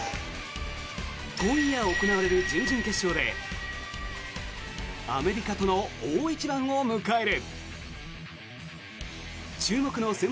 今夜行われる準々決勝でアメリカとの大一番を迎える。